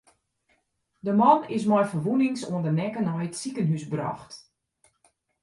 De man is mei ferwûnings oan de nekke nei it sikehûs brocht.